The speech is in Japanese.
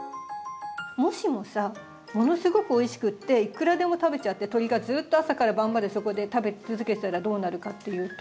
もしもさものすごくおいしくっていくらでも食べちゃって鳥がずっと朝から晩までそこで食べ続けてたらどうなるかっていうと？